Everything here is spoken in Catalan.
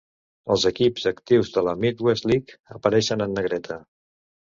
Els equips actius de la Midwest League apareixen en negreta.